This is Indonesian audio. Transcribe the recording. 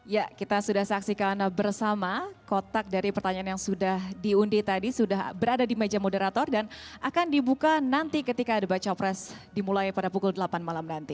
ya kita sudah saksikan bersama kotak dari pertanyaan yang sudah diundi tadi sudah berada di meja moderator dan akan dibuka nanti ketika ada baca pres dimulai pada pukul delapan malam nanti